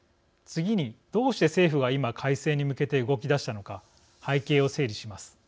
次に、どうして政府が今、改正に向けて動き出したのか背景を整理します。